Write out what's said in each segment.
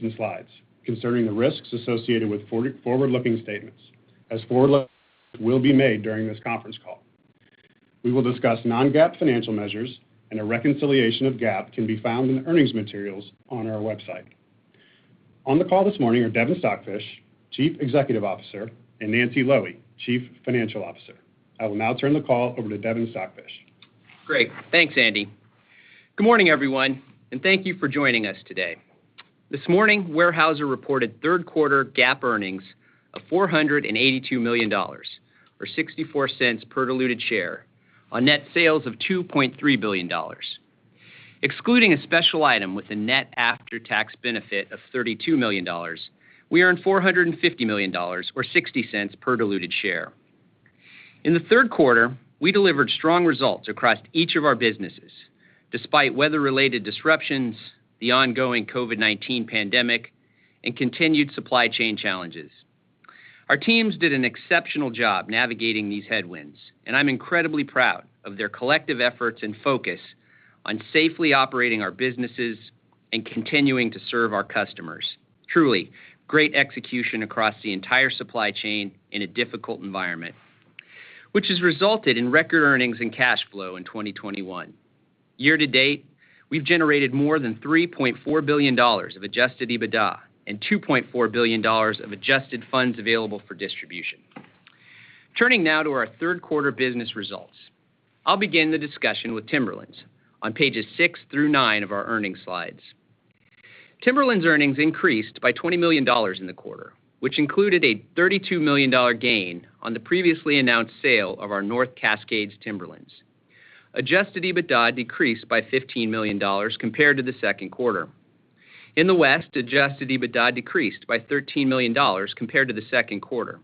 In the slides concerning the risks associated with forward-looking statements, as forward-looking statements will be made during this conference call. We will discuss non-GAAP financial measures and a reconciliation of GAAP can be found in the earnings materials on our website. On the call this morning are Devin Stockfish, Chief Executive Officer, and Nancy Loewe, Chief Financial Officer. I will now turn the call over to Devin Stockfish. Great. Thanks, Andy. Good morning, everyone, and thank you for joining us today. This morning, Weyerhaeuser reported third quarter GAAP earnings of $482 million or $0.64 per diluted share on net sales of $2.3 billion. Excluding a special item with a net after-tax benefit of $32 million, we earned $450 million or $0.60 per diluted share. In the third quarter, we delivered strong results across each of our businesses, despite weather-related disruptions, the ongoing COVID-19 pandemic, and continued supply chain challenges. Our teams did an exceptional job navigating these headwinds, and I'm incredibly proud of their collective efforts and focus on safely operating our businesses and continuing to serve our customers. Truly great execution across the entire supply chain in a difficult environment, which has resulted in record earnings and cash flow in 2021. Year-to-date, we've generated more than $3.4 billion of adjusted EBITDA and $2.4 billion of adjusted funds available for distribution. Turning now to our third quarter business results. I'll begin the discussion with Timberlands on pages six through nine of our earnings slides. Timberlands earnings increased by $20 million in the quarter, which included a $32 million gain on the previously announced sale of our North Cascades Timberlands. Adjusted EBITDA decreased by $15 million compared to the second quarter. In the West, adjusted EBITDA decreased by $13 million compared to the second quarter.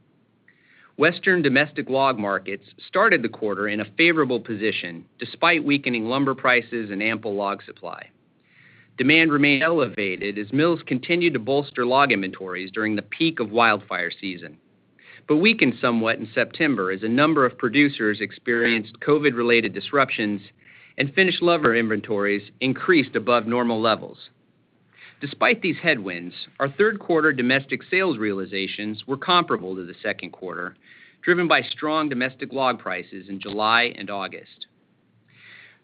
Western domestic log markets started the quarter in a favorable position despite weakening lumber prices and ample log supply. Demand remained elevated as mills continued to bolster log inventories during the peak of wildfire season, but weakened somewhat in September as a number of producers experienced COVID-related disruptions and finished lumber inventories increased above normal levels. Despite these headwinds, our third quarter domestic sales realizations were comparable to the second quarter, driven by strong domestic log prices in July and August.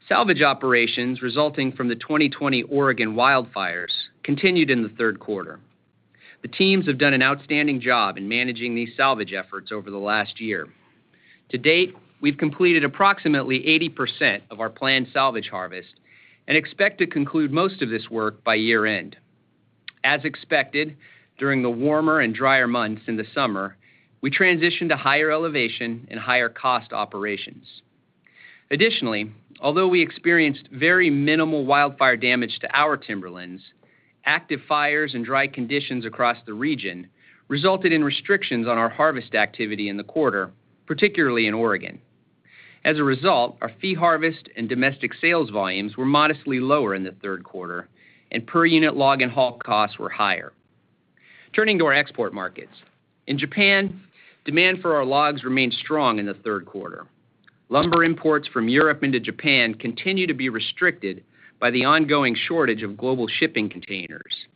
Salvage operations resulting from the 2020 Oregon wildfires continued in the third quarter. The teams have done an outstanding job in managing these salvage efforts over the last year. To date, we've completed approximately 80% of our planned salvage harvest and expect to conclude most of this work by year-end. As expected, during the warmer and drier months in the summer, we transitioned to higher elevation and higher cost operations. Additionally, although we experienced very minimal wildfire damage to our Timberlands, active fires and dry conditions across the region resulted in restrictions on our harvest activity in the quarter, particularly in Oregon. As a result, our fee harvest and domestic sales volumes were modestly lower in the third quarter and per unit log and haul costs were higher. Turning to our export markets. In Japan, demand for our logs remained strong in the third quarter. Lumber imports from Europe into Japan continue to be restricted by the ongoing shortage of global shipping containers.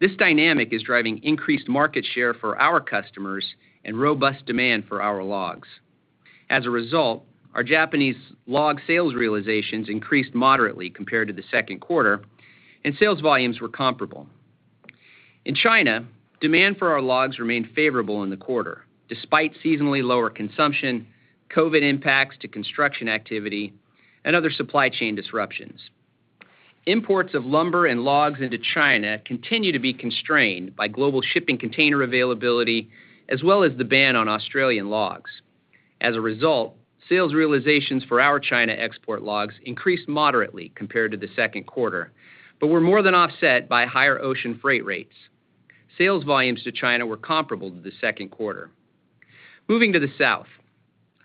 This dynamic is driving increased market share for our customers and robust demand for our logs. As a result, our Japanese log sales realizations increased moderately compared to the second quarter, and sales volumes were comparable. In China, demand for our logs remained favorable in the quarter despite seasonally lower consumption, COVID impacts to construction activity, and other supply chain disruptions. Imports of lumber and logs into China continue to be constrained by global shipping container availability, as well as the ban on Australian logs. As a result, sales realizations for our China export logs increased moderately compared to the second quarter, but were more than offset by higher ocean freight rates. Sales volumes to China were comparable to the second quarter. Moving to the South.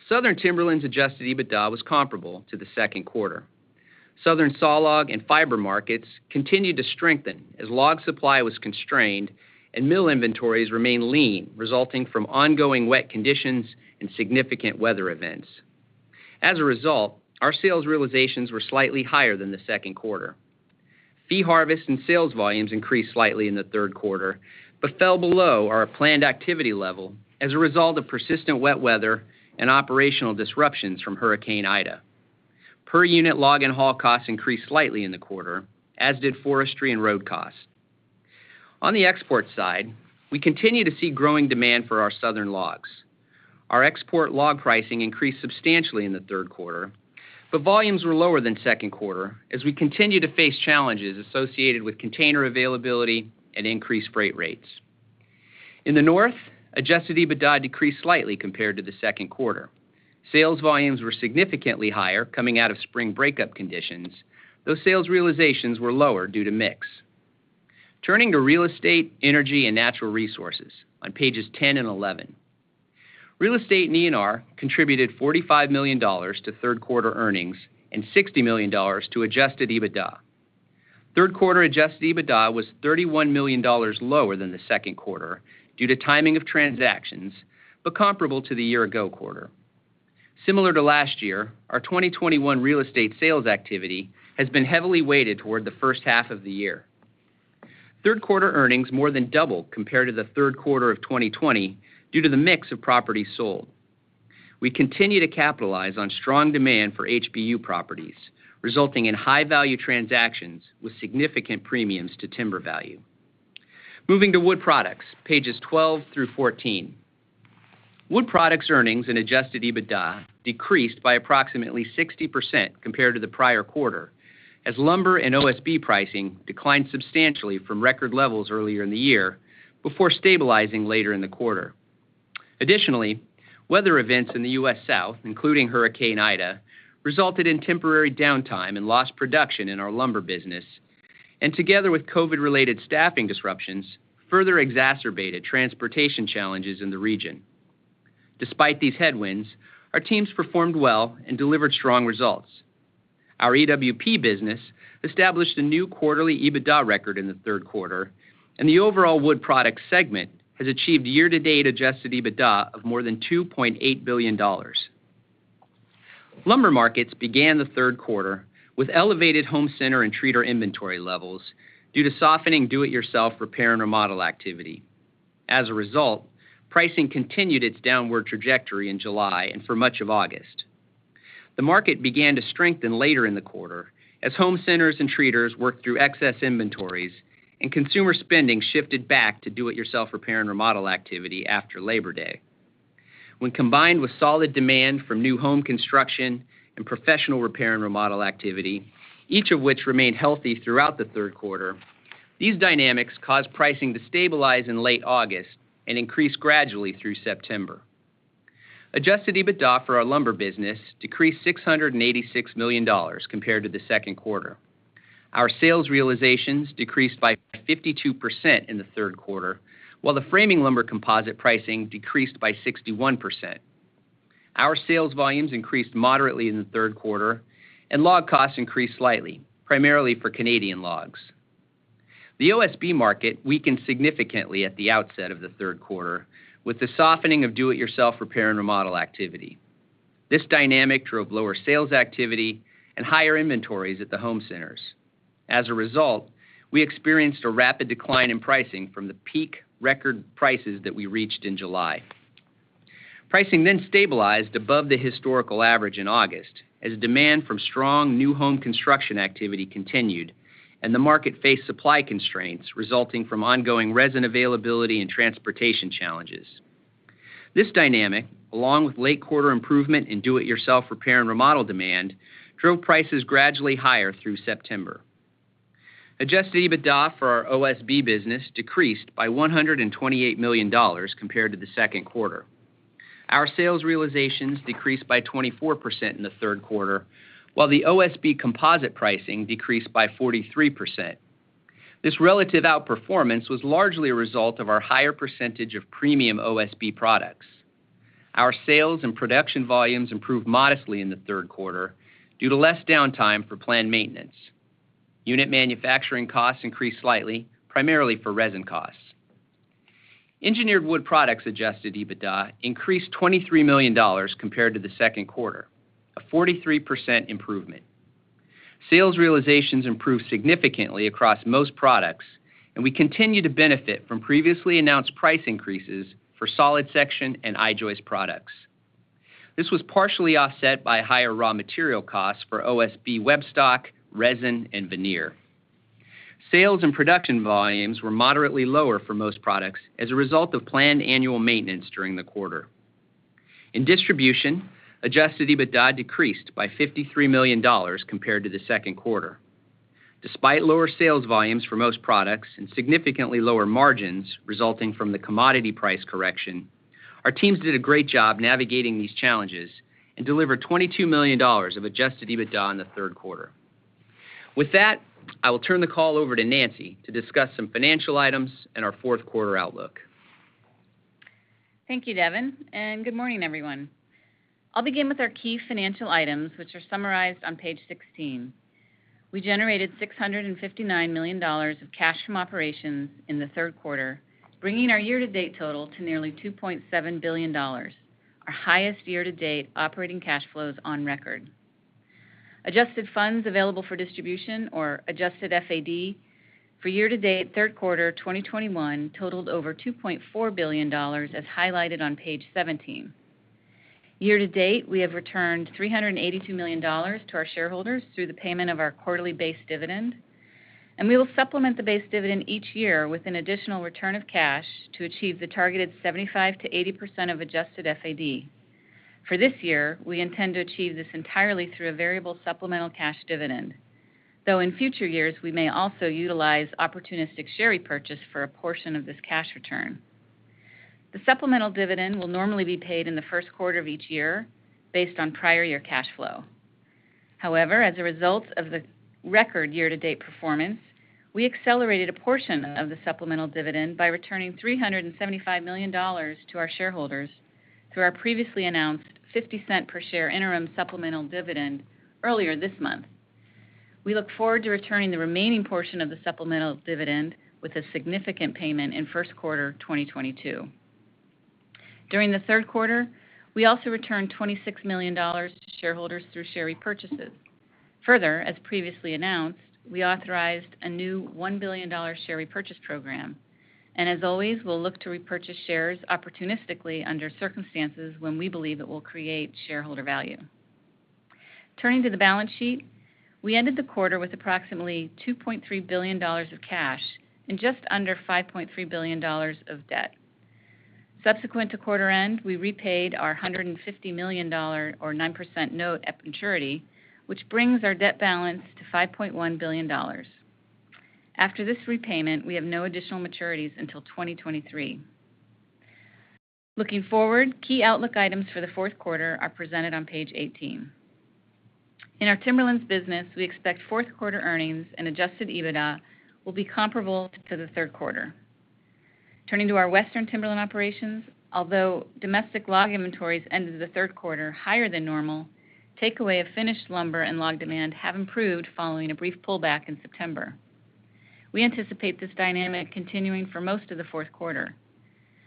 Southern Timberlands adjusted EBITDA was comparable to the second quarter. Southern saw log and fiber markets continued to strengthen as log supply was constrained and mill inventories remained lean, resulting from ongoing wet conditions and significant weather events. As a result, our sales realizations were slightly higher than the second quarter. Fee harvest and sales volumes increased slightly in the third quarter, but fell below our planned activity level as a result of persistent wet weather and operational disruptions from Hurricane Ida. Per unit log and haul costs increased slightly in the quarter, as did forestry and road costs. On the export side, we continue to see growing demand for our southern logs. Our export log pricing increased substantially in the third quarter, but volumes were lower than second quarter as we continue to face challenges associated with container availability and increased freight rates. In the North, adjusted EBITDA decreased slightly compared to the second quarter. Sales volumes were significantly higher coming out of spring breakup conditions, though sales realizations were lower due to mix. Turning to Real Estate, Energy and Natural Resources on pages 10 and 11. Real Estate and ENR contributed $45 million to third quarter earnings and $60 million to adjusted EBITDA. Third quarter adjusted EBITDA was $31 million lower than the second quarter due to timing of transactions, but comparable to the year ago quarter. Similar to last year, our 2021 real estate sales activity has been heavily weighted toward the first half of the year. Third quarter earnings more than doubled compared to the third quarter of 2020 due to the mix of properties sold. We continue to capitalize on strong demand for HBU properties, resulting in high-value transactions with significant premiums to timber value. Moving to Wood Products, pages 12 through 14. Wood Products earnings and adjusted EBITDA decreased by approximately 60% compared to the prior quarter, as lumber and OSB pricing declined substantially from record levels earlier in the year before stabilizing later in the quarter. Additionally, weather events in the U.S. South, including Hurricane Ida, resulted in temporary downtime and lost production in our lumber business, and together with COVID-related staffing disruptions, further exacerbated transportation challenges in the region. Despite these headwinds, our teams performed well and delivered strong results. Our EWP business established a new quarterly EBITDA record in the third quarter, and the overall Wood Products segment has achieved year-to-date adjusted EBITDA of more than $2.8 billion. Lumber markets began the third quarter with elevated home center and treater inventory levels due to softening do-it-yourself repair and remodel activity. As a result, pricing continued its downward trajectory in July and for much of August. The market began to strengthen later in the quarter as home centers and treaters worked through excess inventories and consumer spending shifted back to do-it-yourself repair and remodel activity after Labor Day. When combined with solid demand from new home construction and professional repair and remodel activity, each of which remained healthy throughout the third quarter, these dynamics caused pricing to stabilize in late August and increase gradually through September. Adjusted EBITDA for our lumber business decreased $686 million compared to the second quarter. Our sales realizations decreased by 52% in the third quarter, while the Framing Lumber Composite pricing decreased by 61%. Our sales volumes increased moderately in the third quarter and log costs increased slightly, primarily for Canadian logs. The OSB market weakened significantly at the outset of the third quarter with the softening of do-it-yourself repair and remodel activity. This dynamic drove lower sales activity and higher inventories at the home centers. As a result, we experienced a rapid decline in pricing from the peak record prices that we reached in July. Pricing stabilized above the historical average in August as demand from strong new home construction activity continued and the market faced supply constraints resulting from ongoing resin availability and transportation challenges. This dynamic, along with late quarter improvement in do-it-yourself repair and remodel demand, drove prices gradually higher through September. Adjusted EBITDA for our OSB business decreased by $128 million compared to the second quarter. Our sales realizations decreased by 24% in the third quarter, while the OSB Composite pricing decreased by 43%. This relative outperformance was largely a result of our higher percentage of premium OSB products. Our sales and production volumes improved modestly in the third quarter due to less downtime for planned maintenance. Unit manufacturing costs increased slightly, primarily for resin costs. Engineered Wood Products adjusted EBITDA increased $23 million compared to the second quarter, a 43% improvement. Sales realizations improved significantly across most products, and we continue to benefit from previously announced price increases for solid section and I-joist products. This was partially offset by higher raw material costs for OSB web stock, resin, and veneer. Sales and production volumes were moderately lower for most products as a result of planned annual maintenance during the quarter. In Distribution, adjusted EBITDA decreased by $53 million compared to the second quarter. Despite lower sales volumes for most products and significantly lower margins resulting from the commodity price correction, our teams did a great job navigating these challenges and delivered $22 million of adjusted EBITDA in the third quarter. With that, I will turn the call over to Nancy to discuss some financial items and our fourth quarter outlook. Thank you, Devin, and good morning, everyone. I'll begin with our key financial items, which are summarized on page 16. We generated $659 million of cash from operations in the third quarter, bringing our year-to-date total to nearly $2.7 billion, our highest year-to-date operating cash flows on record. Adjusted funds available for distribution or adjusted FAD for year-to-date third quarter 2021 totaled over $2.4 billion, as highlighted on page 17. Year-to-date, we have returned $382 million to our shareholders through the payment of our quarterly base dividend. We will supplement the base dividend each year with an additional return of cash to achieve the targeted 75%-80% of adjusted FAD. For this year, we intend to achieve this entirely through a variable supplemental cash dividend, though in future years we may also utilize opportunistic share repurchase for a portion of this cash return. The supplemental dividend will normally be paid in the first quarter of each year based on prior year cash flow. However, as a result of the record year-to-date performance, we accelerated a portion of the supplemental dividend by returning $375 million to our shareholders through our previously announced $0.50 per share interim supplemental dividend earlier this month. We look forward to returning the remaining portion of the supplemental dividend with a significant payment in first quarter 2022. During the third quarter, we also returned $26 million to shareholders through share repurchases. Further, as previously announced, we authorized a new $1 billion share repurchase program. As always, we'll look to repurchase shares opportunistically under circumstances when we believe it will create shareholder value. Turning to the balance sheet, we ended the quarter with approximately $2.3 billion of cash and just under $5.3 billion of debt. Subsequent to quarter end, we repaid our $150 million 9% note at maturity, which brings our debt balance to $5.1 billion. After this repayment, we have no additional maturities until 2023. Looking forward, key outlook items for the fourth quarter are presented on page 18. In our Timberlands business, we expect fourth quarter earnings and adjusted EBITDA will be comparable to the third quarter. Turning to our Western Timberland operations, although domestic log inventories ended the third quarter higher than normal, takeaway of finished lumber and log demand have improved following a brief pullback in September. We anticipate this dynamic continuing for most of the fourth quarter.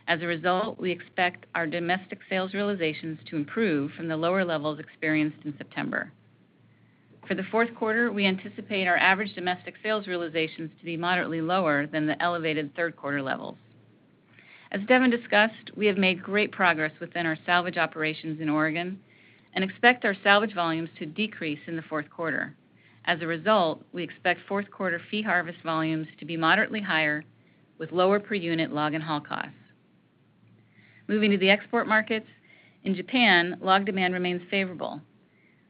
As a result, we expect our domestic sales realizations to improve from the lower levels experienced in September. For the fourth quarter, we anticipate our average domestic sales realizations to be moderately lower than the elevated third quarter levels. As Devin discussed, we have made great progress within our salvage operations in Oregon and expect our salvage volumes to decrease in the fourth quarter. As a result, we expect fourth quarter fee harvest volumes to be moderately higher with lower per unit log and haul costs. Moving to the export markets, in Japan, log demand remains favorable.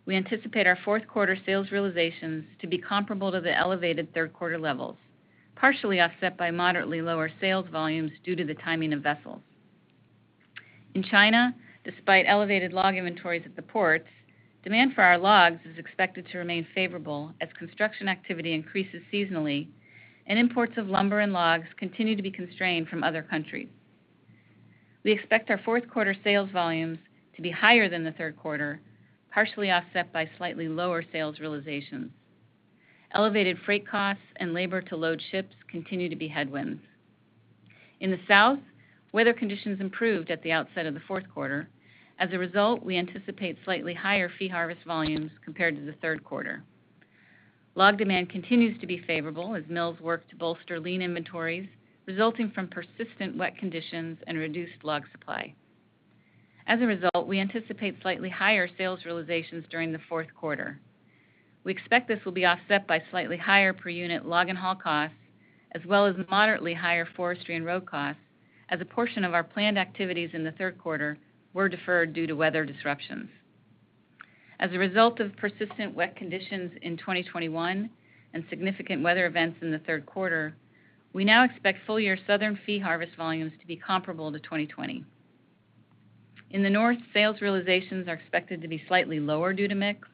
We anticipate our fourth quarter sales realizations to be comparable to the elevated third quarter levels, partially offset by moderately lower sales volumes due to the timing of vessels. In China, despite elevated log inventories at the ports, demand for our logs is expected to remain favorable as construction activity increases seasonally and imports of lumber and logs continue to be constrained from other countries. We expect our fourth quarter sales volumes to be higher than the third quarter, partially offset by slightly lower sales realizations. Elevated freight costs and labor to load ships continue to be headwinds. In the South, weather conditions improved at the outset of the fourth quarter. As a result, we anticipate slightly higher fee harvest volumes compared to the third quarter. Log demand continues to be favorable as mills work to bolster lean inventories resulting from persistent wet conditions and reduced log supply. As a result, we anticipate slightly higher sales realizations during the fourth quarter. We expect this will be offset by slightly higher per unit log and haul costs as well as moderately higher forestry and road costs as a portion of our planned activities in the third quarter were deferred due to weather disruptions. As a result of persistent wet conditions in 2021 and significant weather events in the third quarter, we now expect full-year southern fee harvest volumes to be comparable to 2020. In the North, sales realizations are expected to be slightly lower due to mix,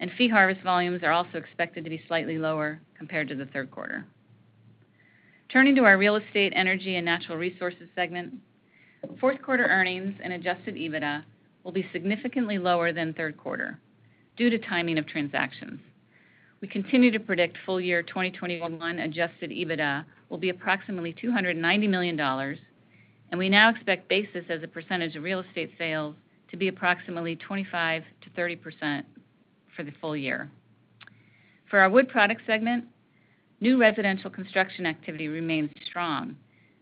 and fee harvest volumes are also expected to be slightly lower compared to the third quarter. Turning to our Real Estate, Energy and Natural Resources segment, fourth quarter earnings and adjusted EBITDA will be significantly lower than third quarter due to timing of transactions. We continue to predict full-year 2021 adjusted EBITDA will be approximately $290 million, and we now expect basis as a percentage of real estate sales to be approximately 25%-30% for the full year. For our Wood Products segment, new residential construction activity remains strong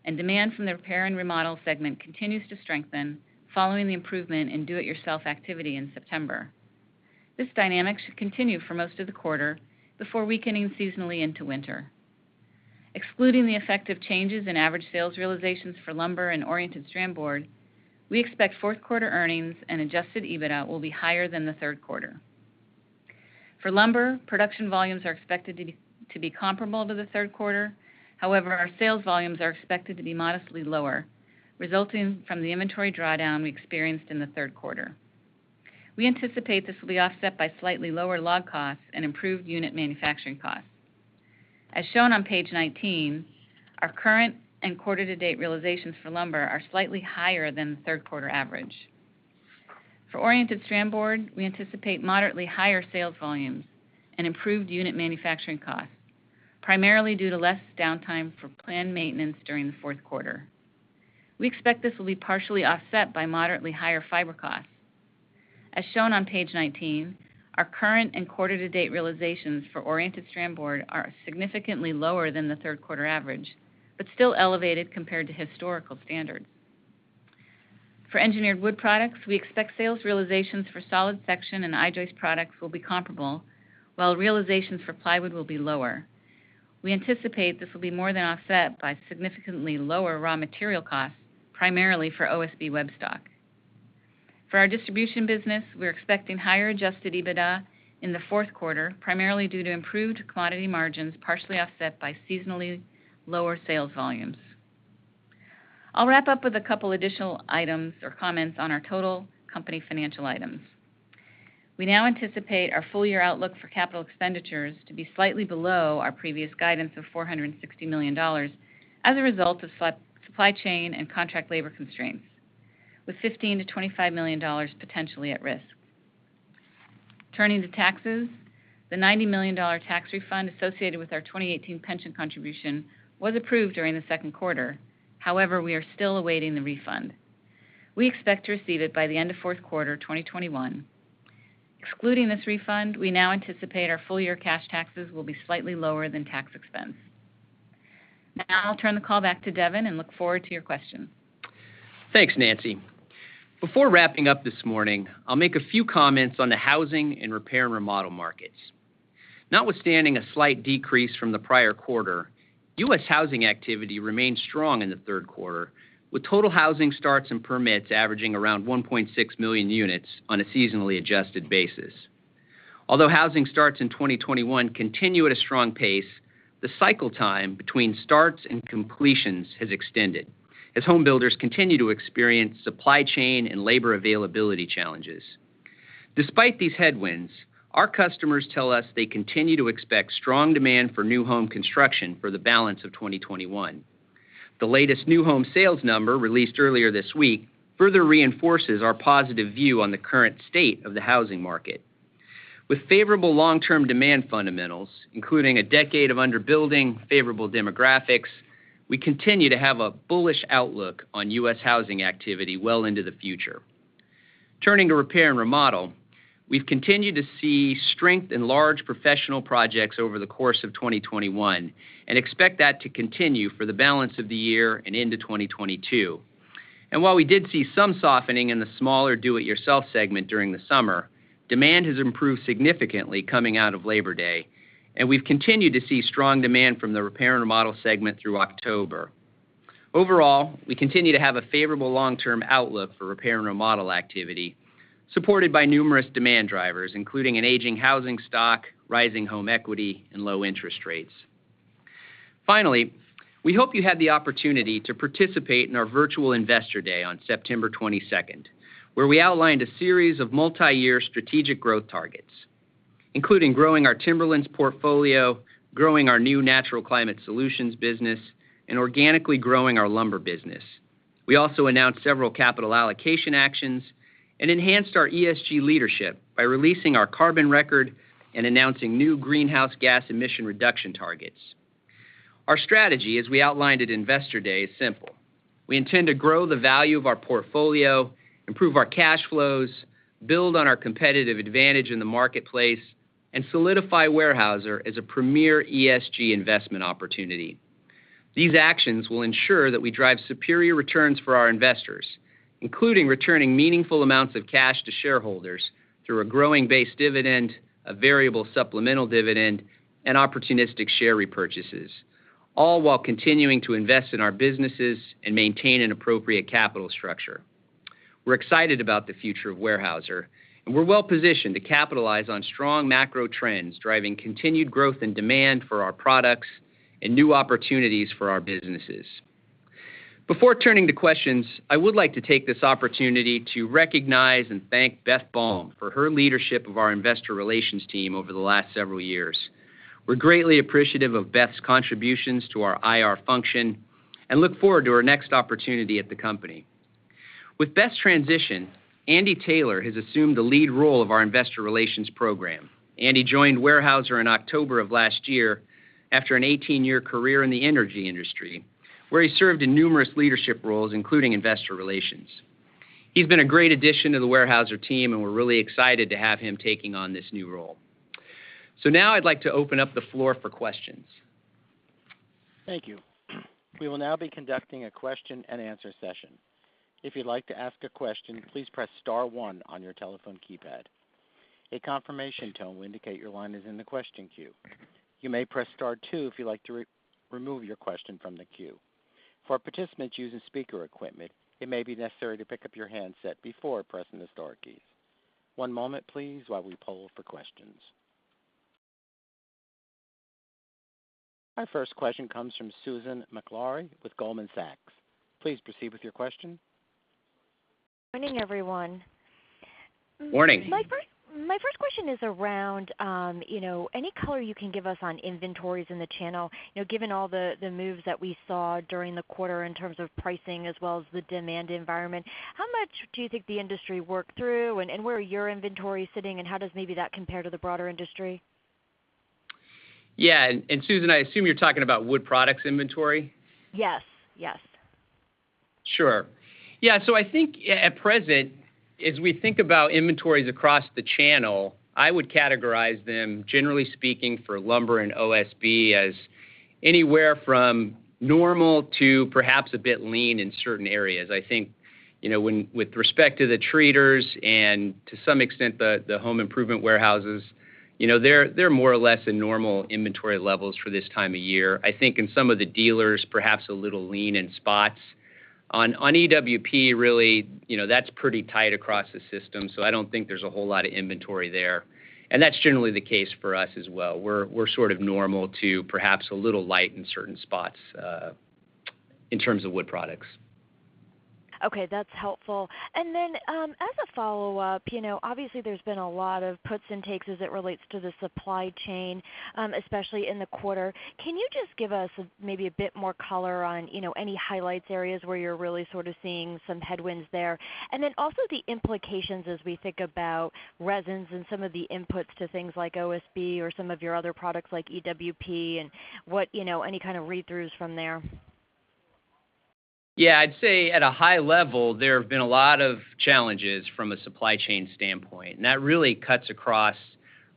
and demand from the repair and remodel segment continues to strengthen following the improvement in do-it-yourself activity in September. This dynamic should continue for most of the quarter before weakening seasonally into winter. Excluding the effect of changes in average sales realizations for lumber and oriented strand board, we expect fourth quarter earnings and adjusted EBITDA will be higher than the third quarter. For lumber, production volumes are expected to be comparable to the third quarter. However, our sales volumes are expected to be modestly lower, resulting from the inventory drawdown we experienced in the third quarter. We anticipate this will be offset by slightly lower log costs and improved unit manufacturing costs. As shown on page 19, our current and quarter-to-date realizations for lumber are slightly higher than the third quarter average. For oriented strand board, we anticipate moderately higher sales volumes and improved unit manufacturing costs, primarily due to less downtime for planned maintenance during the fourth quarter. We expect this will be partially offset by moderately higher fiber costs. As shown on page 19, our current and quarter-to-date realizations for oriented strand board are significantly lower than the third quarter average, but still elevated compared to historical standards. For engineered wood products, we expect sales realizations for solid section and I-joist products will be comparable, while realizations for plywood will be lower. We anticipate this will be more than offset by significantly lower raw material costs, primarily for OSB webstock. For our Distribution business, we're expecting higher adjusted EBITDA in the fourth quarter, primarily due to improved commodity margins partially offset by seasonally lower sales volumes. I'll wrap up with a couple additional items or comments on our total company financial items. We now anticipate our full-year outlook for capital expenditures to be slightly below our previous guidance of $460 million as a result of supply chain and contract labor constraints, with $15 million-$25 million potentially at risk. Turning to taxes, the $90 million tax refund associated with our 2018 pension contribution was approved during the second quarter. However, we are still awaiting the refund. We expect to receive it by the end of fourth quarter 2021. Excluding this refund, we now anticipate our full-year cash taxes will be slightly lower than tax expense. Now I'll turn the call back to Devin, and look forward to your questions. Thanks, Nancy. Before wrapping up this morning, I'll make a few comments on the housing and repair and remodel markets. Notwithstanding a slight decrease from the prior quarter, U.S. housing activity remained strong in the third quarter, with total housing starts and permits averaging around 1.6 million units on a seasonally adjusted basis. Although housing starts in 2021 continue at a strong pace, the cycle time between starts and completions has extended as home builders continue to experience supply chain and labor availability challenges. Despite these headwinds, our customers tell us they continue to expect strong demand for new home construction for the balance of 2021. The latest new home sales number released earlier this week further reinforces our positive view on the current state of the housing market. With favorable long-term demand fundamentals, including a decade of under-building, favorable demographics, we continue to have a bullish outlook on U.S. housing activity well into the future. Turning to repair and remodel, we've continued to see strength in large professional projects over the course of 2021, and expect that to continue for the balance of the year and into 2022. While we did see some softening in the smaller do it yourself segment during the summer, demand has improved significantly coming out of Labor Day, and we've continued to see strong demand from the repair and remodel segment through October. Overall, we continue to have a favorable long-term outlook for repair and remodel activity, supported by numerous demand drivers, including an aging housing stock, rising home equity, and low interest rates. Finally, we hope you had the opportunity to participate in our virtual Investor Day on September 22nd, where we outlined a series of multi-year strategic growth targets, including growing our Timberlands portfolio, growing our new natural climate solutions business, and organically growing our lumber business. We also announced several capital allocation actions and enhanced our ESG leadership by releasing our carbon record and announcing new greenhouse gas emission reduction targets. Our strategy, as we outlined at Investor Day, is simple. We intend to grow the value of our portfolio, improve our cash flows, build on our competitive advantage in the marketplace, and solidify Weyerhaeuser as a premier ESG investment opportunity. These actions will ensure that we drive superior returns for our investors, including returning meaningful amounts of cash to shareholders through a growing base dividend, a variable supplemental dividend, and opportunistic share repurchases, all while continuing to invest in our businesses and maintain an appropriate capital structure. We're excited about the future of Weyerhaeuser, and we're well positioned to capitalize on strong macro trends driving continued growth and demand for our products and new opportunities for our businesses. Before turning to questions, I would like to take this opportunity to recognize and thank Beth Baum for her leadership of our investor relations team over the last several years. We're greatly appreciative of Beth's contributions to our IR function and look forward to her next opportunity at the company. With Beth's transition, Andy Taylor has assumed the lead role of our investor relations program. Andy joined Weyerhaeuser in October of last year after an 18-year career in the energy industry, where he served in numerous leadership roles, including investor relations. He's been a great addition to the Weyerhaeuser team, and we're really excited to have him taking on this new role. Now I'd like to open up the floor for questions. Thank you. We will now be conducting a question and answer session. If you'd like to ask a question, please press star one on your telephone keypad. A confirmation tone will indicate your line is in the question queue. You may press star two if you'd like to remove your question from the queue. For participants using speaker equipment, it may be necessary to pick up your handset before pressing the star keys. One moment, please, while we poll for questions. Our first question comes from Susan Maklari with Goldman Sachs. Please proceed with your question. Morning, everyone. Morning. My first question is around, you know, any color you can give us on inventories in the channel, you know, given all the moves that we saw during the quarter in terms of pricing as well as the demand environment. How much do you think the industry worked through, and where are your inventories sitting, and how does maybe that compare to the broader industry? Yeah, Susan, I assume you're talking about Wood Products inventory? Yes. Yes. Sure. Yeah. I think at present, as we think about inventories across the channel, I would categorize them, generally speaking, for lumber and OSB as anywhere from normal to perhaps a bit lean in certain areas. I think, you know, with respect to the treaters and to some extent, the home improvement warehouses, you know, they're more or less in normal inventory levels for this time of year. I think in some of the dealers, perhaps a little lean in spots. On EWP, really, you know, that's pretty tight across the system, so I don't think there's a whole lot of inventory there. That's generally the case for us as well. We're sort of normal to perhaps a little light in certain spots in terms of Wood Products. Okay, that's helpful. As a follow-up, you know, obviously there's been a lot of puts and takes as it relates to the supply chain, especially in the quarter. Can you just give us maybe a bit more color on, you know, any highlights areas where you're really sort of seeing some headwinds there? Then also the implications as we think about resins and some of the inputs to things like OSB or some of your other products like EWP and what, you know, any kind of read-throughs from there. Yeah, I'd say at a high level, there have been a lot of challenges from a supply chain standpoint, and that really cuts across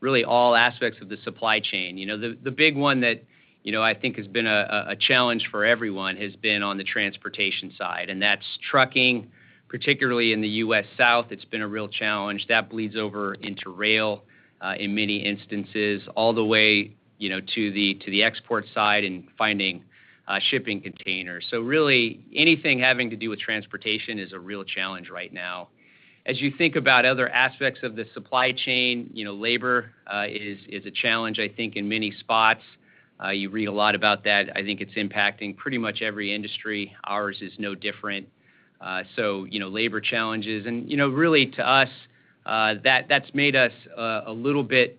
really all aspects of the supply chain. You know, the big one that, you know, I think has been a challenge for everyone has been on the transportation side, and that's trucking, particularly in the U.S. South. It's been a real challenge. That bleeds over into rail in many instances, all the way, you know, to the export side and finding shipping containers. So really anything having to do with transportation is a real challenge right now. As you think about other aspects of the supply chain, you know, labor is a challenge I think in many spots. You read a lot about that. I think it's impacting pretty much every industry. Ours is no different. You know, labor challenges. You know, really to us, that's made us a little bit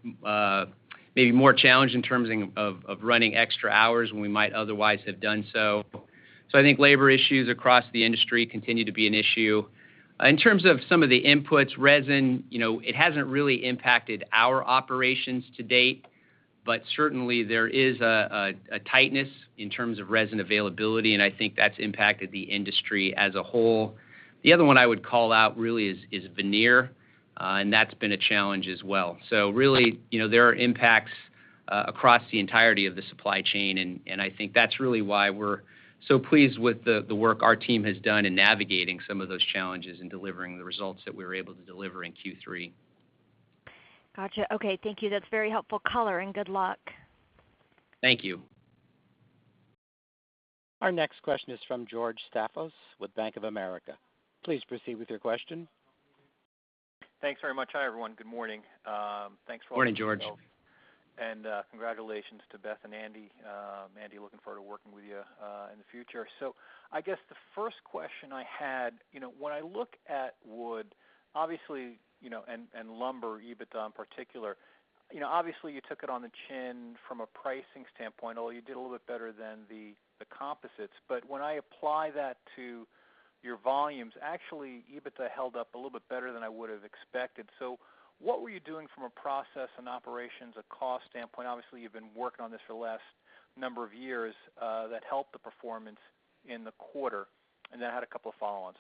maybe more challenged in terms of running extra hours when we might otherwise have done so. I think labor issues across the industry continue to be an issue. In terms of some of the inputs, resin, you know, it hasn't really impacted our operations to date, but certainly there is a tightness in terms of resin availability, and I think that's impacted the industry as a whole. The other one I would call out really is veneer, and that's been a challenge as well. Really, you know, there are impacts across the entirety of the supply chain, and I think that's really why we're so pleased with the work our team has done in navigating some of those challenges and delivering the results that we were able to deliver in Q3. Got you. Okay. Thank you. That's very helpful color and good luck. Thank you. Our next question is from George Staphos with Bank of America. Please proceed with your question. Thanks very much. Hi, everyone. Good morning. Thanks for letting me know. Morning, George. Congratulations to Beth and Andy. Andy, looking forward to working with you in the future. I guess the first question I had, you know, when I look at wood, obviously, you know, and lumber, EBITDA in particular, you know, obviously you took it on the chin from a pricing standpoint, although you did a little bit better than the composites. When I apply that to your volumes, actually EBITDA held up a little bit better than I would have expected. What were you doing from a process and operations, a cost standpoint, obviously, you've been working on this for the last number of years that helped the performance in the quarter? Then I had a couple of follow-ons.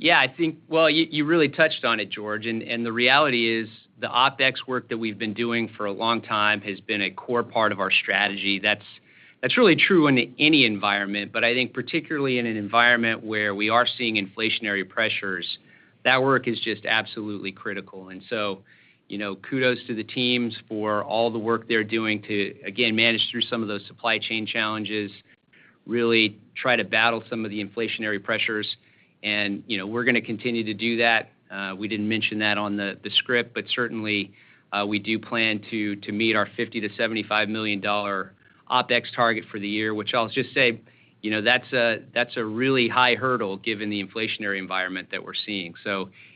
Yeah, I think, well, you really touched on it, George. The reality is the OpEx work that we've been doing for a long time has been a core part of our strategy. That's really true in any environment. I think particularly in an environment where we are seeing inflationary pressures, that work is just absolutely critical. You know, kudos to the teams for all the work they're doing to again, manage through some of those supply chain challenges, really try to battle some of the inflationary pressures. You know, we're gonna continue to do that. We didn't mention that on the script, but certainly we do plan to meet our $50 million-$75 million OpEx target for the year, which I'll just say, you know, that's a really high hurdle given the inflationary environment that we're seeing.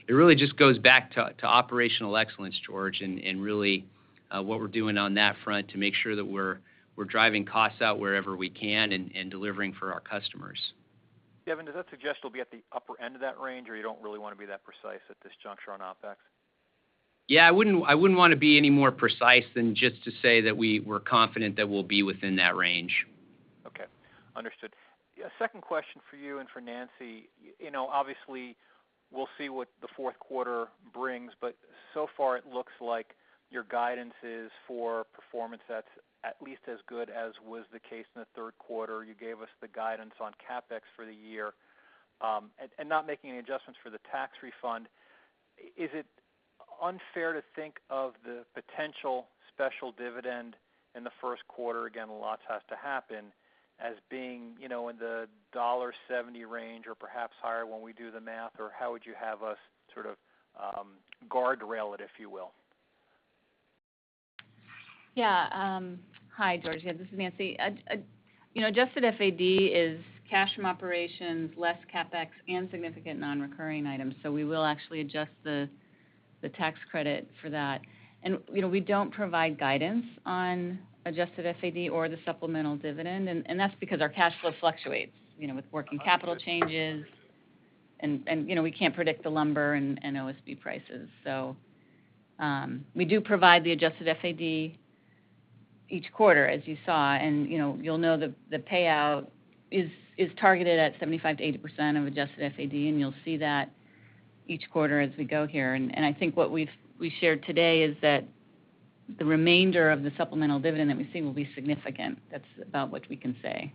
It really just goes back to operational excellence, George, and really what we're doing on that front to make sure that we're driving costs out wherever we can and delivering for our customers. Devin, does that suggest we'll be at the upper end of that range or you don't really wanna be that precise at this juncture on OpEx? Yeah, I wouldn't wanna be any more precise than just to say that we're confident that we'll be within that range. Okay. Understood. A second question for you and for Nancy. You know, obviously, we'll see what the fourth quarter brings. So far it looks like your guidance is for performance that's at least as good as was the case in the third quarter. You gave us the guidance on CapEx for the year, and not making any adjustments for the tax refund. Is it unfair to think of the potential special dividend in the first quarter, again, a lot has to happen, as being, you know, in the $170 range or perhaps higher when we do the math? Or how would you have us sort of, guardrail it, if you will? Yeah. Hi, George. Yeah, this is Nancy. You know, adjusted FAD is cash from operations, less CapEx and significant non-recurring items. We will actually adjust the tax credit for that. You know, we don't provide guidance on adjusted FAD or the supplemental dividend, and that's because our cash flow fluctuates, you know, with working capital changes. You know, we can't predict the lumber and OSB prices. We do provide the adjusted FAD each quarter, as you saw. You know, you'll know the payout is targeted at 75%-80% of adjusted FAD, and you'll see that each quarter as we go here. I think what we've shared today is that the remainder of the supplemental dividend that we've seen will be significant. That's about what we can say.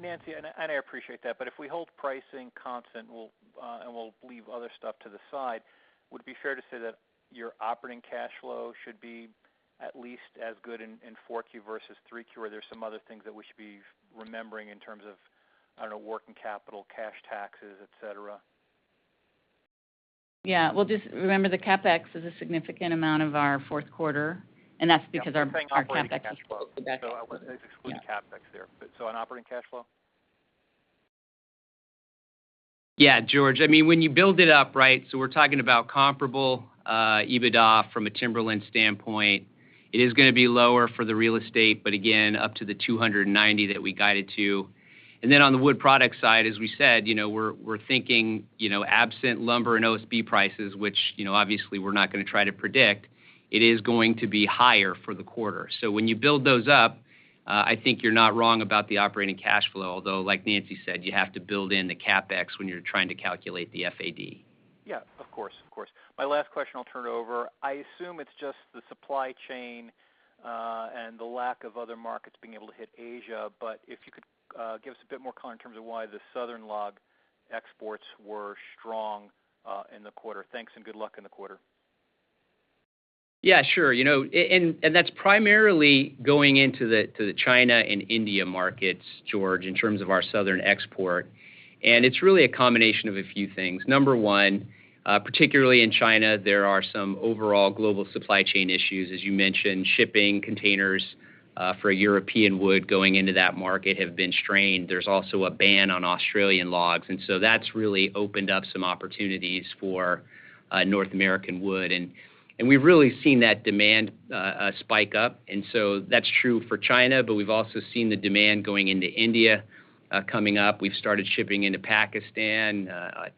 Nancy, I appreciate that, but if we hold pricing constant, we'll leave other stuff to the side. Would it be fair to say that your operating cash flow should be at least as good in 4Q versus 3Q? Or are there some other things that we should be remembering in terms of, I don't know, working capital, cash taxes, et cetera? Yeah. Well, just remember the CapEx is a significant amount of our fourth quarter, and that's because our CapEx is. Yeah. I'm saying operating cash flow, so I would exclude CapEx there. On operating cash flow? Yeah, George, I mean, when you build it up, right, so we're talking about comparable EBITDA from a Timberlands standpoint. It is gonna be lower for the Real Estate, but again, up to the $290 that we guided to. Then on the Wood Products side, as we said, you know, we're thinking, you know, absent lumber and OSB prices, which, you know, obviously we're not gonna try to predict, it is going to be higher for the quarter. When you build those up, I think you're not wrong about the operating cash flow, although like Nancy said, you have to build in the CapEx when you're trying to calculate the FAD. Yeah, of course, of course. My last question I'll turn it over. I assume it's just the supply chain, and the lack of other markets being able to hit Asia, but if you could, give us a bit more color in terms of why the Southern log exports were strong, in the quarter. Thanks, and good luck in the quarter. Yeah, sure. You know, and that's primarily going into the to the China and India markets, George, in terms of our southern export. It's really a combination of a few things. Number one, particularly in China, there are some overall global supply chain issues. As you mentioned, shipping containers for European wood going into that market have been strained. There's also a ban on Australian logs, and so that's really opened up some opportunities for North American wood. We've really seen that demand spike up, and so that's true for China, but we've also seen the demand going into India coming up. We've started shipping into Pakistan,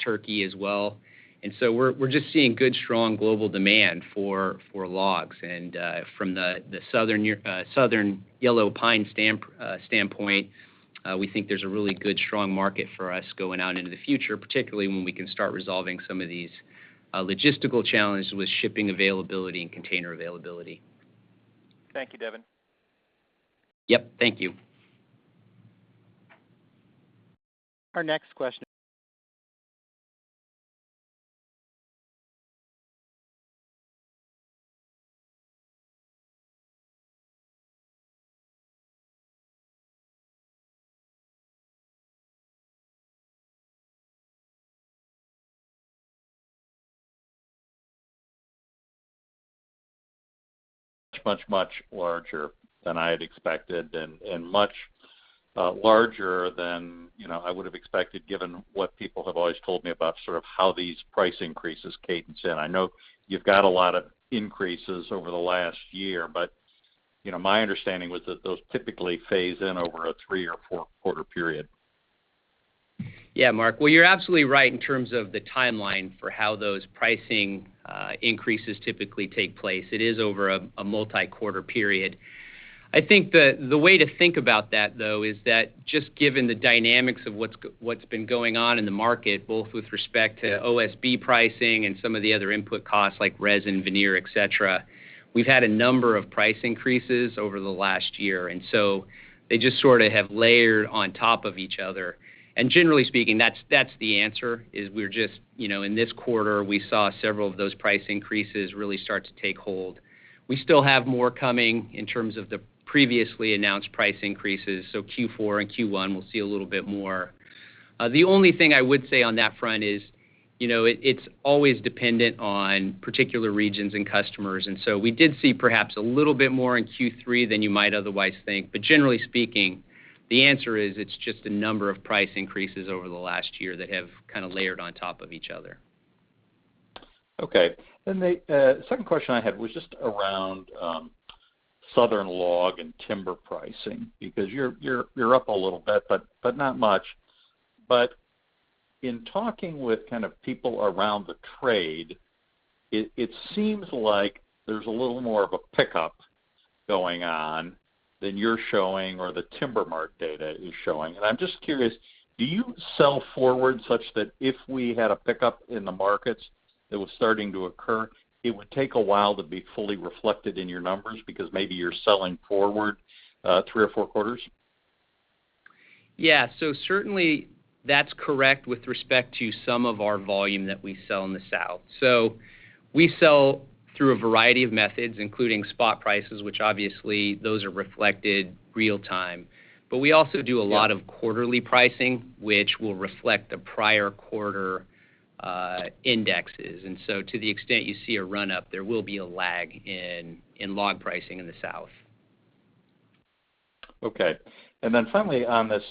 Turkey as well. We're just seeing good, strong global demand for logs. From the Southern yellow pine standpoint, we think there's a really good, strong market for us going out into the future, particularly when we can start resolving some of these logistical challenges with shipping availability and container availability. Thank you, Devin. Yep, thank you. Our next question. Much larger than I had expected and much larger than, you know, I would have expected given what people have always told me about sort of how these price increases cadence in. I know you've got a lot of increases over the last year, but, you know, my understanding was that those typically phase in over a three or four-quarter period. Yeah, Mark. Well, you're absolutely right in terms of the timeline for how those pricing increases typically take place. It is over a multi-quarter period. I think the way to think about that, though, is that just given the dynamics of what's been going on in the market, both with respect to OSB pricing and some of the other input costs like resin, veneer, et cetera, we've had a number of price increases over the last year, and so they just sort of have layered on top of each other. Generally speaking, that's the answer is we're just, you know, in this quarter, we saw several of those price increases really start to take hold. We still have more coming in terms of the previously announced price increases, so Q4 and Q1, we'll see a little bit more. The only thing I would say on that front is, you know, it's always dependent on particular regions and customers. We did see perhaps a little bit more in Q3 than you might otherwise think. Generally speaking, the answer is it's just a number of price increases over the last year that have kind of layered on top of each other. Okay. The second question I had was just around Southern log and timber pricing because you're up a little bit, but not much. In talking with kind of people around the trade, it seems like there's a little more of a pickup going on than you're showing or the TimberMart-South data is showing. I'm just curious, do you sell forward such that if we had a pickup in the markets that was starting to occur, it would take a while to be fully reflected in your numbers because maybe you're selling forward three or four quarters? Yeah. Certainly that's correct with respect to some of our volume that we sell in the South. We sell through a variety of methods, including spot prices, which obviously those are reflected real-time. We also do a lot of quarterly pricing, which will reflect the prior quarter, indexes. To the extent you see a run-up, there will be a lag in log pricing in the South. Okay. Then finally on this,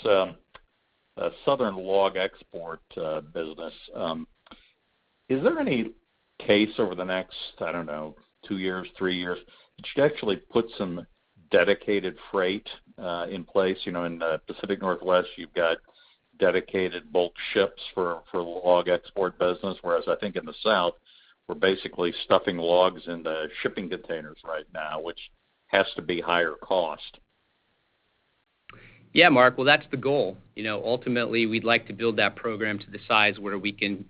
southern log export business, is there any case over the next, I don't know, two years, three years that you actually put some dedicated freight in place? You know, in the Pacific Northwest, you've got dedicated bulk ships for log export business, whereas I think in the South, we're basically stuffing logs into shipping containers right now, which has to be higher cost. Yeah, Mark. Well, that's the goal. You know, ultimately, we'd like to build that program to the size where we can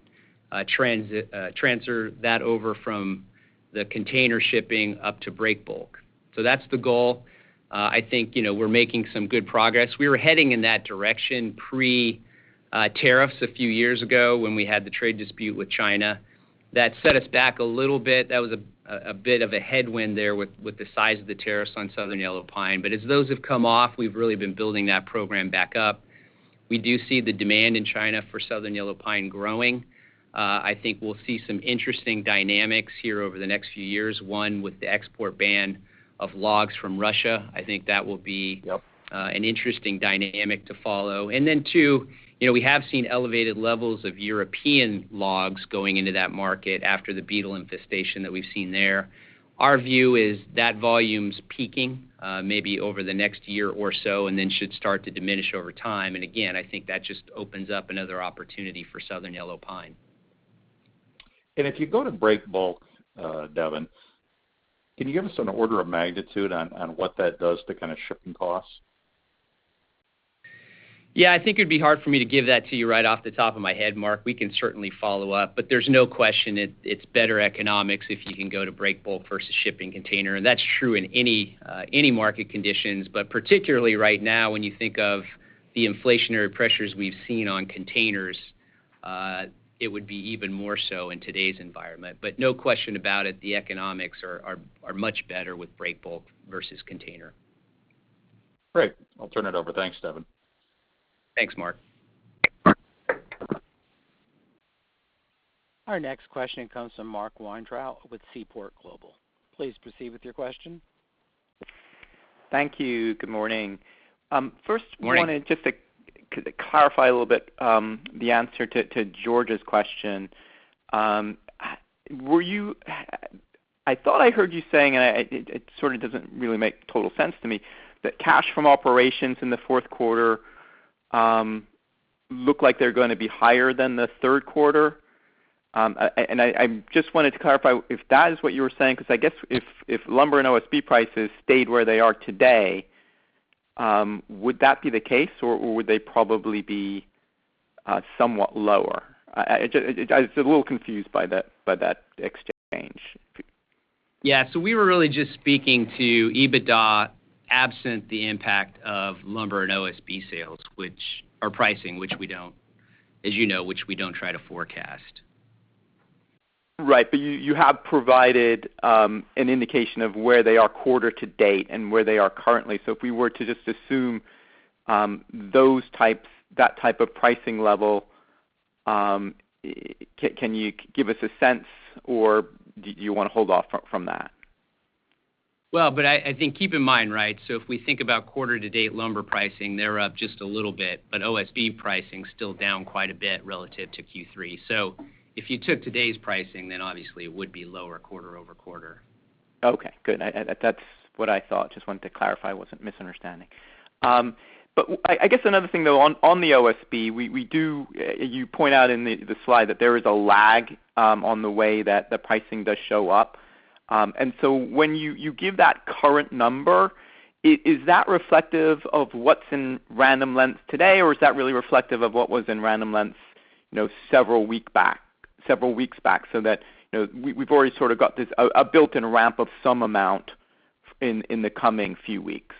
transfer that over from the container shipping up to break bulk. That's the goal. I think, you know, we're making some good progress. We were heading in that direction pre tariffs a few years ago when we had the trade dispute with China. That set us back a little bit. That was a bit of a headwind there with the size of the tariffs on Southern yellow pine. But as those have come off, we've really been building that program back up. We do see the demand in China for Southern yellow pine growing. I think we'll see some interesting dynamics here over the next few years. One, with the export ban of logs from Russia. I think that will be. Yep An interesting dynamic to follow. Then, too, you know, we have seen elevated levels of European logs going into that market after the beetle infestation that we've seen there. Our view is that volume's peaking, maybe over the next year or so, and then should start to diminish over time. Again, I think that just opens up another opportunity for Southern yellow pine. If you go to break bulk, Devin, can you give us an order of magnitude on what that does to kind of shipping costs? Yeah, I think it'd be hard for me to give that to you right off the top of my head, Mark. We can certainly follow up, but there's no question it's better economics if you can go to break bulk versus shipping container. That's true in any market conditions, but particularly right now, when you think of the inflationary pressures we've seen on containers, it would be even more so in today's environment. No question about it, the economics are much better with break bulk versus container. Great. I'll turn it over. Thanks, Devin. Thanks, Mark. Our next question comes from Mark Weintraub with Seaport Global. Please proceed with your question. Thank you. Good morning. Morning I wanted just to clarify a little bit, the answer to George's question. I thought I heard you saying, and it sort of doesn't really make total sense to me, that cash from operations in the fourth quarter look like they're gonna be higher than the third quarter. I just wanted to clarify if that is what you were saying, 'cause I guess if lumber and OSB prices stayed where they are today, would that be the case, or would they probably be somewhat lower. I was a little confused by that exchange. Yeah. We were really just speaking to EBITDA absent the impact of lumber and OSB sales, which are pricing, which we don't, as you know, try to forecast. Right. You have provided an indication of where they are quarter to date and where they are currently. If we were to just assume that type of pricing level, can you give us a sense, or do you wanna hold off from that? Well, I think keep in mind, right? If we think about quarter to date lumber pricing, they're up just a little bit, but OSB pricing is still down quite a bit relative to Q3. If you took today's pricing, then obviously it would be lower quarter-over-quarter. Okay, good. That's what I thought. Just wanted to clarify I wasn't misunderstanding. I guess another thing, though, on the OSB, you point out in the slide that there is a lag on the way that the pricing does show up. When you give that current number, is that reflective of what's in Random Lengths today, or is that really reflective of what was in Random Lengths, you know, several weeks back so that, you know, we've already sort of got this a built-in ramp of some amount in the coming few weeks?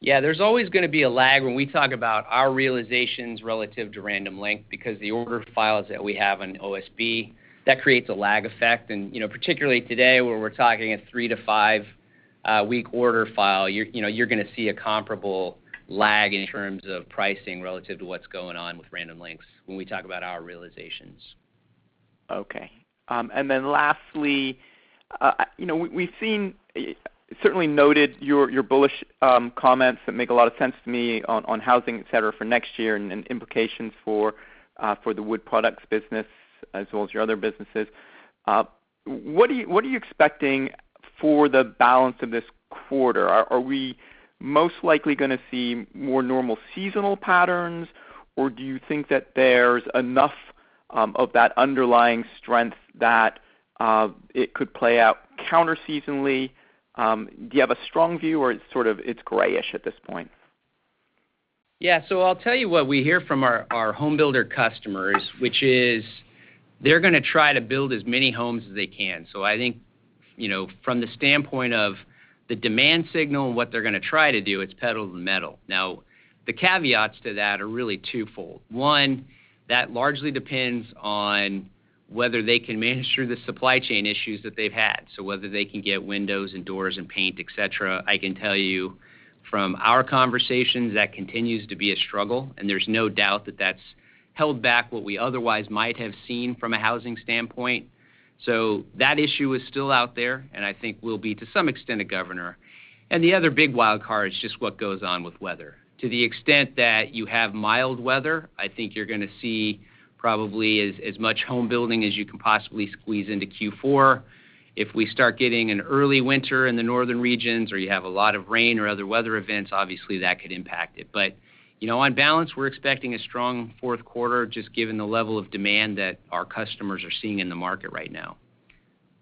Yeah, there's always gonna be a lag when we talk about our realizations relative to Random Lengths because the order files that we have on OSB, that creates a lag effect. You know, particularly today, where we're talking a three to five week order file, you're, you know, you're gonna see a comparable lag in terms of pricing relative to what's going on with Random Lengths when we talk about our realizations. Okay. Lastly, you know, we've seen certainly noted your bullish comments that make a lot of sense to me on housing, et cetera, for next year and implications for the Wood Products business as well as your other businesses. What are you expecting for the balance of this quarter? Are we most likely gonna see more normal seasonal patterns, or do you think that there's enough of that underlying strength that it could play out counter seasonally? Do you have a strong view or it's sort of grayish at this point? Yeah. I'll tell you what we hear from our home builder customers, which is they're gonna try to build as many homes as they can. I think, you know, from the standpoint of the demand signal and what they're gonna try to do, it's pedal to the metal. Now, the caveats to that are really twofold. One, that largely depends on whether they can manage through the supply chain issues that they've had. Whether they can get windows and doors and paint, et cetera. I can tell you from our conversations, that continues to be a struggle, and there's no doubt that that's held back what we otherwise might have seen from a housing standpoint. That issue is still out there, and I think will be, to some extent, a governor. The other big wild card is just what goes on with weather. To the extent that you have mild weather, I think you're gonna see probably as much home building as you can possibly squeeze into Q4. If we start getting an early winter in the northern regions or you have a lot of rain or other weather events, obviously that could impact it. But, you know, on balance, we're expecting a strong fourth quarter just given the level of demand that our customers are seeing in the market right now.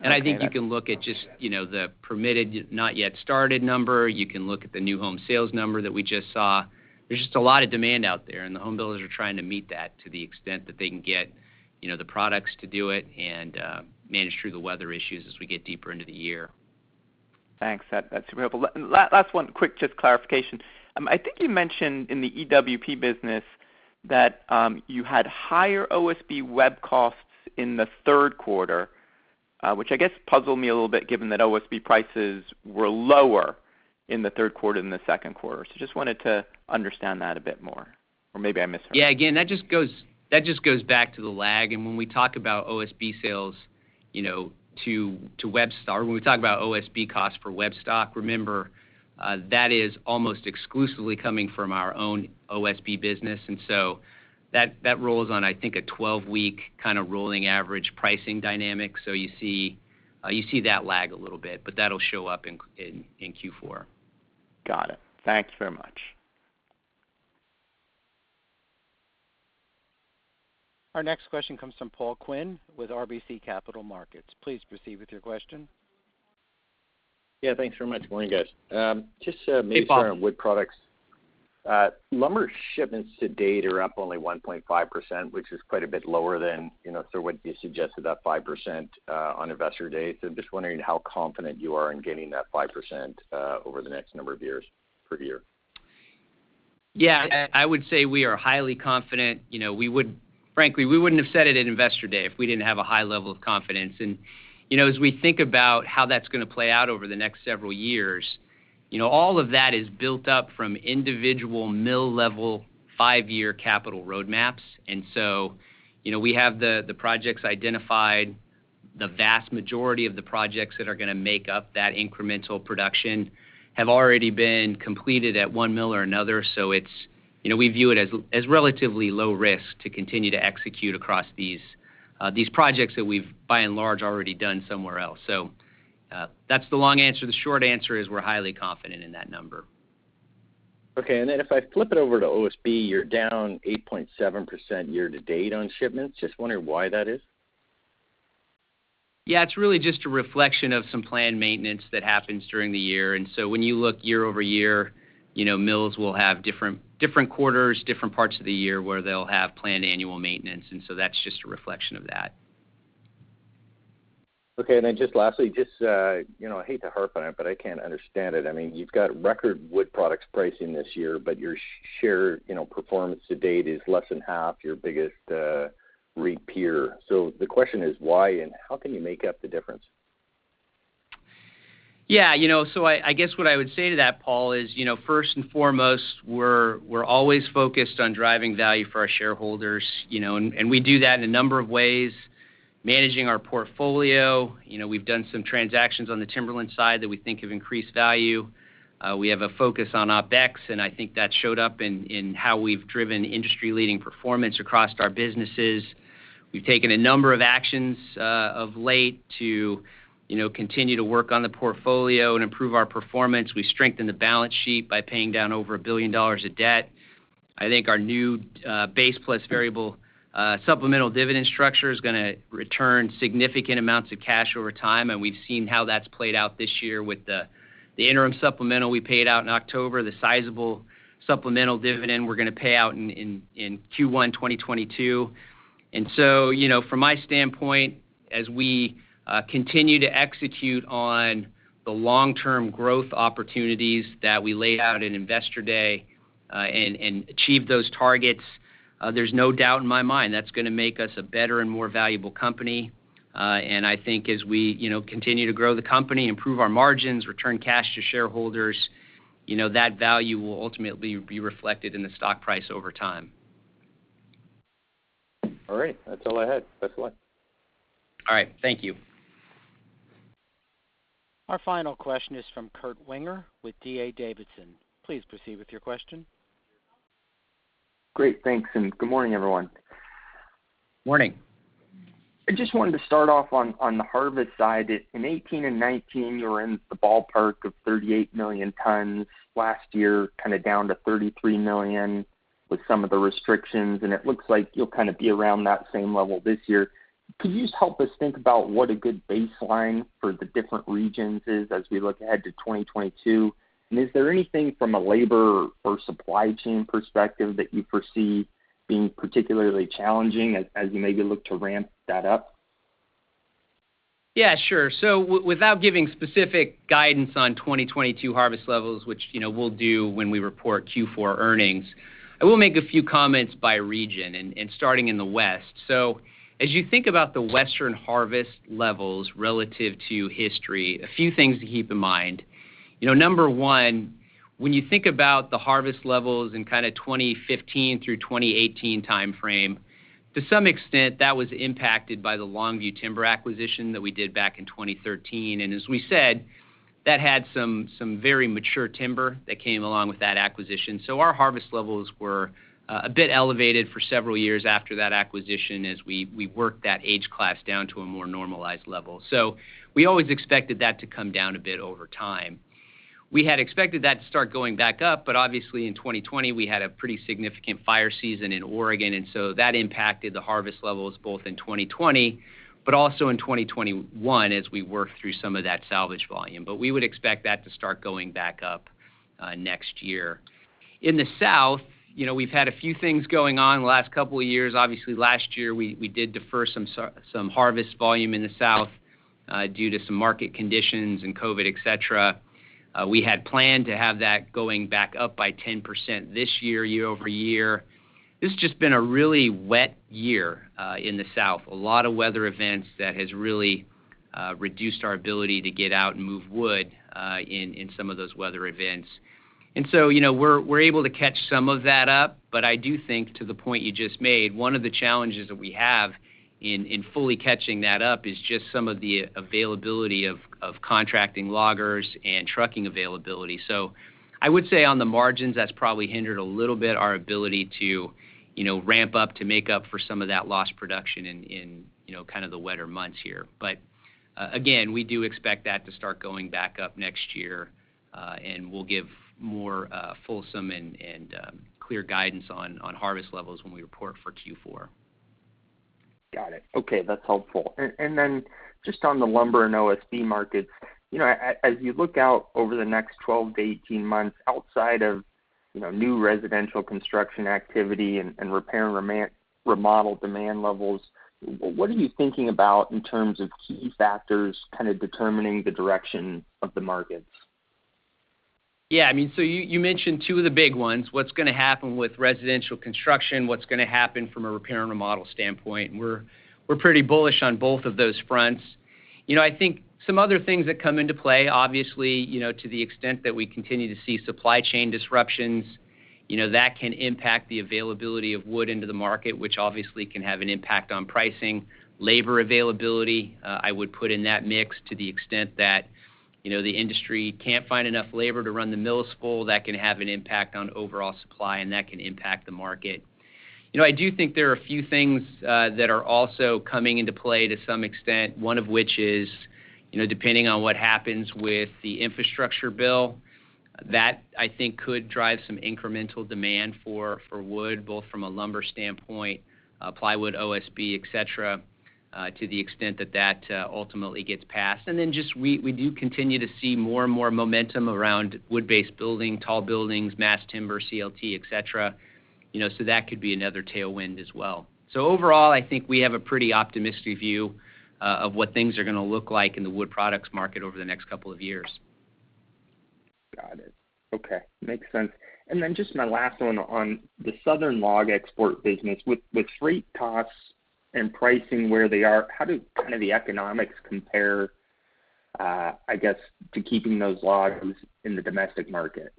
I think you can look at just, you know, the permitted, not yet started number. You can look at the new home sales number that we just saw. There's just a lot of demand out there, and the home builders are trying to meet that to the extent that they can get, you know, the products to do it and, manage through the weather issues as we get deeper into the year. Thanks. That's helpful. Last one, quick, just clarification. I think you mentioned in the EWP business that you had higher OSB web costs in the third quarter. Which I guess puzzled me a little bit given that OSB prices were lower in the third quarter than the second quarter. Just wanted to understand that a bit more, or maybe I misheard. Yeah. Again, that just goes back to the lag. When we talk about OSB sales, you know, when we talk about OSB costs for web stock, remember that is almost exclusively coming from our own OSB business, and so that rolls on, I think, a 12-week kind of rolling average pricing dynamic. You see that lag a little bit, but that'll show up in Q4. Got it. Thank you very much. Our next question comes from Paul Quinn with RBC Capital Markets. Please proceed with your question. Yeah, thanks very much. Morning, guys. Just maybe- Hey, Paul. On wood products. Lumber shipments to date are up only 1.5%, which is quite a bit lower than, you know, sort of what you suggested, that 5%, on Investor Day. I'm just wondering how confident you are in gaining that 5% over the next number of years per year. Yeah. I would say we are highly confident. You know, we would frankly, we wouldn't have said it at Investor Day if we didn't have a high level of confidence. You know, as we think about how that's gonna play out over the next several years, you know, all of that is built up from individual mill-level five-year capital roadmaps. You know, we have the projects identified. The vast majority of the projects that are gonna make up that incremental production have already been completed at one mill or another. It's, you know, we view it as relatively low risk to continue to execute across these projects that we've by and large already done somewhere else. That's the long answer. The short answer is we're highly confident in that number. Okay. If I flip it over to OSB, you're down 8.7% year-to-date on shipments. Just wondering why that is. Yeah. It's really just a reflection of some planned maintenance that happens during the year. When you look year-over-year, you know, mills will have different quarters, different parts of the year where they'll have planned annual maintenance, and so that's just a reflection of that. Okay. Just lastly, just, you know, I hate to harp on it, but I can't understand it. I mean, you've got record Wood Products pricing this year, but your share, you know, performance to date is less than half your biggest REIT peer. The question is why and how can you make up the difference? Yeah. You know, I guess what I would say to that, Paul, is, you know, first and foremost, we're always focused on driving value for our shareholders, you know, and we do that in a number of ways, managing our portfolio. You know, we've done some transactions on the Timberlands side that we think have increased value. We have a focus on OpEx, and I think that showed up in how we've driven industry-leading performance across our businesses. We've taken a number of actions of late to, you know, continue to work on the portfolio and improve our performance. We strengthened the balance sheet by paying down over $1 billion of debt. I think our new base plus variable supplemental dividend structure is gonna return significant amounts of cash over time, and we've seen how that's played out this year with the interim supplemental we paid out in October, the sizable supplemental dividend we're gonna pay out in Q1 2022. You know, from my standpoint, as we continue to execute on the long-term growth opportunities that we laid out in Investor Day and achieve those targets, there's no doubt in my mind that's gonna make us a better and more valuable company. I think as we you know continue to grow the company, improve our margins, return cash to shareholders, you know that value will ultimately be reflected in the stock price over time. All right. That's all I had. Best of luck. All right. Thank you. Our final question is from Kurt Yinger with D.A. Davidson. Please proceed with your question. Great. Thanks, and good morning, everyone. Morning. I just wanted to start off on the harvest side. In 2018 and 2019, you were in the ballpark of 38 million tons. Last year, kind of down to 33 million with some of the restrictions, and it looks like you'll kind of be around that same level this year. Could you just help us think about what a good baseline for the different regions is as we look ahead to 2022? Is there anything from a labor or supply chain perspective that you foresee being particularly challenging as you maybe look to ramp that up? Yeah, sure. Without giving specific guidance on 2022 harvest levels, which, you know, we'll do when we report Q4 earnings, I will make a few comments by region and starting in the West. As you think about the Western harvest levels relative to history, a few things to keep in mind. You know, number one, when you think about the harvest levels in kinda 2015-2018 timeframe, to some extent, that was impacted by the Longview Timber acquisition that we did back in 2013. As we said, that had some very mature timber that came along with that acquisition. Our harvest levels were a bit elevated for several years after that acquisition as we worked that age class down to a more normalized level. We always expected that to come down a bit over time. We had expected that to start going back up, but obviously in 2020, we had a pretty significant fire season in Oregon, and so that impacted the harvest levels both in 2020, but also in 2021 as we worked through some of that salvage volume. We would expect that to start going back up next year. In the South, you know, we've had a few things going on the last couple of years. Obviously, last year, we did defer some harvest volume in the South due to some market conditions and COVID, et cetera. We had planned to have that going back up by 10% this year-over-year. It's just been a really wet year in the South. A lot of weather events that has really reduced our ability to get out and move wood in some of those weather events. You know, we're able to catch some of that up, but I do think to the point you just made, one of the challenges that we have in fully catching that up is just some of the availability of contracting loggers and trucking availability. I would say on the margins, that's probably hindered a little bit our ability to you know ramp up to make up for some of that lost production in you know kind of the wetter months here. Again, we do expect that to start going back up next year, and we'll give more fulsome and clear guidance on harvest levels when we report for Q4. Got it. Okay, that's helpful. Just on the lumber and OSB markets, you know, as you look out over the next 12-18 months outside of, you know, new residential construction activity and repair and remodel demand levels, what are you thinking about in terms of key factors kind of determining the direction of the markets? Yeah, I mean, you mentioned two of the big ones: what's gonna happen with residential construction, what's gonna happen from a repair and remodel standpoint. We're pretty bullish on both of those fronts. You know, I think some other things that come into play, obviously, you know, to the extent that we continue to see supply chain disruptions, you know, that can impact the availability of wood into the market, which obviously can have an impact on pricing. Labor availability, I would put in that mix to the extent that, you know, the industry can't find enough labor to run the mills full, that can have an impact on overall supply, and that can impact the market. You know, I do think there are a few things that are also coming into play to some extent, one of which is, you know, depending on what happens with the infrastructure bill, that I think could drive some incremental demand for wood, both from a lumber standpoint, plywood, OSB, et cetera, to the extent that that ultimately gets passed. Then just we do continue to see more and more momentum around wood-based building, tall buildings, mass timber, CLT, et cetera. You know, that could be another tailwind as well. Overall, I think we have a pretty optimistic view of what things are gonna look like in the wood products market over the next couple of years. Got it. Okay. Makes sense. Just my last one on the southern log export business. With freight costs and pricing where they are, how do kind of the economics compare, I guess, to keeping those logs in the domestic market?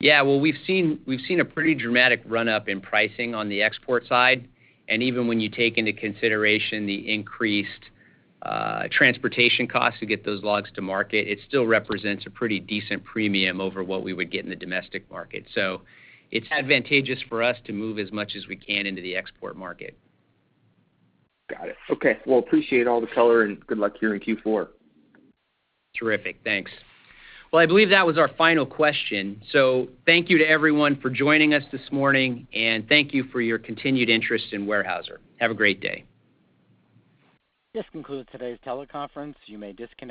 Yeah. Well, we've seen a pretty dramatic run-up in pricing on the export side. Even when you take into consideration the increased transportation costs to get those logs to market, it still represents a pretty decent premium over what we would get in the domestic market. It's advantageous for us to move as much as we can into the export market. Got it. Okay. Well, appreciate all the color, and good luck here in Q4. Terrific. Thanks. Well, I believe that was our final question. Thank you to everyone for joining us this morning, and thank you for your continued interest in Weyerhaeuser. Have a great day. This concludes today's teleconference. You may disconnect.